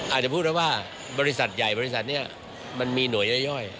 อาจจะพูดได้ว่าบริษัทใหญ่บริษัทนี้มันมีหน่วยย่อย